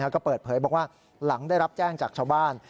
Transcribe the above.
ก็เปิดเผยบอกว่าหลังได้รับแจ้งจากชาวบ้าน